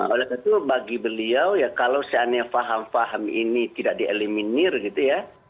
oleh itu bagi beliau ya kalau seandainya paham paham ini tidak di eliminir gitu ya